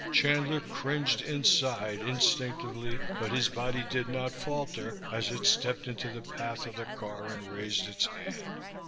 Chandler cringed inside, instinctively, but his body did not falter as it stepped into the path of the car and raised its hand.